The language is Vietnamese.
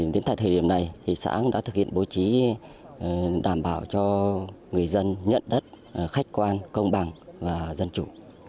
đến tại thời điểm này xã đã thực hiện bố trí đảm bảo cho người dân nhận đất khách quan công bằng và dân chủ